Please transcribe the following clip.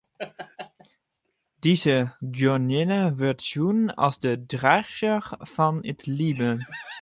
Dizze goadinne wurdt sjoen as de draachster fan it libben.